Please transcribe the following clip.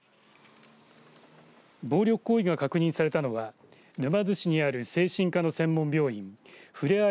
暴力行為が確認されたのは沼津市にある精神科の専門病院ふれあい